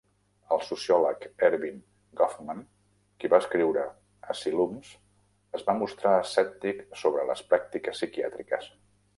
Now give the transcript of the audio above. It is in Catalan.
El sociòleg Erving Goffman, qui va escriure Asylums, es va mostrar escèptic sobre les pràctiques psiquiàtriques.